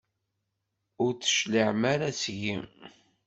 Ur d-tecliɛem ara seg-i.